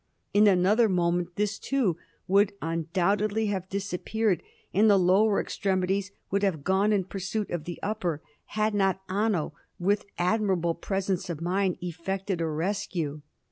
In another moment this, too, would undoubtedly have disappeared, and the lower extremities would have gone in pursuit of the upper, had not Anno with admirable presence of mind effected a rescue.